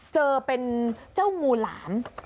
เจอเป็นเจ้างูหลาม